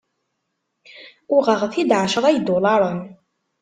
Uɣeɣ-t-id εecra idularen.